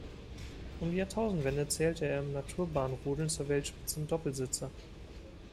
Um die Jahrtausendwende zählte er im Naturbahnrodeln zur Weltspitze im Doppelsitzer.